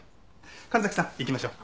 神崎さん行きましょう。